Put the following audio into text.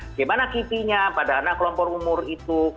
bagaimana kipinya pada anak kelompok umur itu